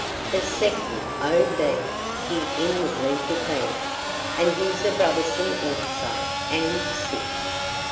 "The second O. B.!" he inwardly declared. "And he's a Brotherson also, and sick!